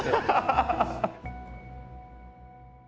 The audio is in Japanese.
ハハハハ！